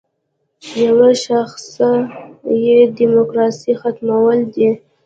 یوه شاخصه یې د دیموکراسۍ ختمول دي.